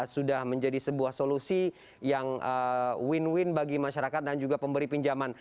sudah menjadi sebuah solusi yang win win bagi masyarakat dan juga pemberi pinjaman